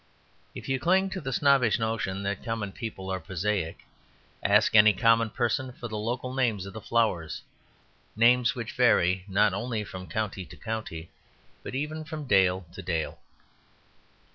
If you cling to the snobbish notion that common people are prosaic, ask any common person for the local names of the flowers, names which vary not only from county to county, but even from dale to dale.